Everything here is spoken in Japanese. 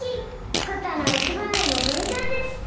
つくったのはいちばんうえのとりさんです。